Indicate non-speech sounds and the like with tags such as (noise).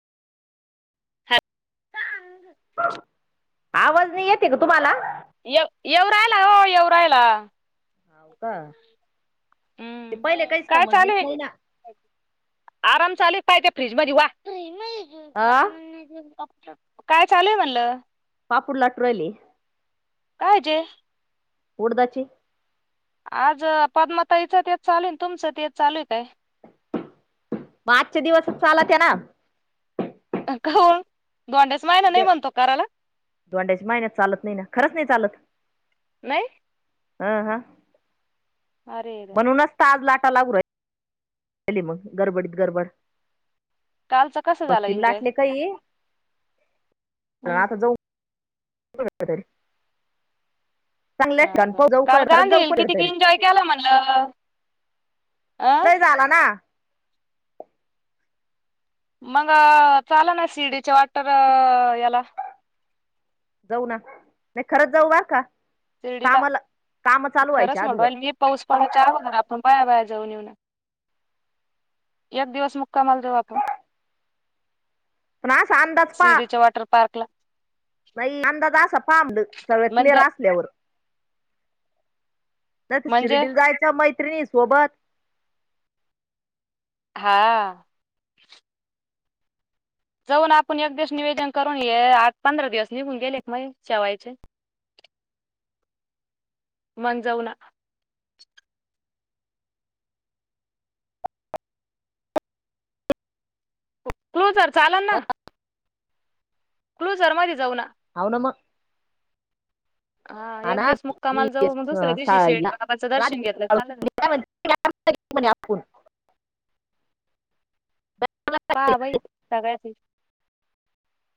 हॅ आवाज नाही येते का तुम्हाला, येव येव रायला हो येव राहिला. हाव का? ते हम्म पहिले काहीच काय समजलेच चालूय. नाही ना. आराम चालूय. काय त्या फ्रीज मध्ये अ वान काय चालू आहे म्हणलं. पापूड लाटूरायली. काय जे? उडदाचे. आज पद्मताईचं ते चालू आहे, तुमचं ते य चालू काय. मग आजचे दिवसच चालात आहे ना! का होन. उद्या धोंड्याच्या महिन्यात चालत नाही ना खरंच नाही चालत. नाही. आ हा अरे देवा बणूनचता आज लाटा लागू राआहेली मग गरबडीत गरबड. कालचं कसं झालं भक्तीने एन्जॉय लाटले काय ये, कारण हम्म आता जाऊ (unintelligible) चांगल्या ठनव जाऊ का काल खरच गांधी जाऊ हिल कुठं किती की तरी एन्जॉय केला म्हणलं अ नाहीय झाला ना? मग चाल ना सीडीचे वाटर याला, जाऊ ना नाही खरंच जाऊ बरका. शिर्डीला व्हायच्या खरच म्हणो अदोगर मी पाऊस पड चार होजणार आपण पाया बाया बाया ये एक दिवस मुक्कामाल जाऊ आपण. ना स अंदाज पा शिर्डीच्या वॉटर पार्कला नाही अंदाज अस पाांबलं सगळं क्लिअर म्हणजे असल्यावर. नाही तर म्हणजे शिर्डी जायच्या मैत्रिणी सोबत. हा जाऊन आपण एक दिवस निवेदन करून ये आठ पंधरा दिवस निघून गेले एक मग शेवायचे. मग जाऊ ना! क्लोजर चालाल ना? क्लूझर मध्ये जाऊ ना! हा ह एक ना! दिवस मुक्कामाला जाऊ मग दुसऱ्या दिवशी शिर्डी बाबाचं दर्शन घेतलं चालेल (unintelligible) मणे आपून हा भाई सगयची (unintelligible)